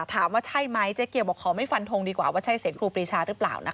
ถามว่าใช่ไหมเจ๊เกียวบอกขอไม่ฟันทงดีกว่าว่าใช่เสียงครูปรีชาหรือเปล่านะคะ